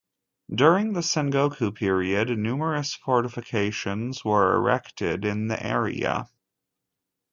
During the Sengoku period, numerous fortifications were erected in the area.